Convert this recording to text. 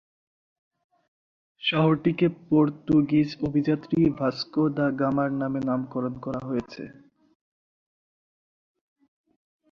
শহরটিকে Portuguese অভিযাত্রী Vasco da গামা-র নামে নামকরণ করা হয়েছে।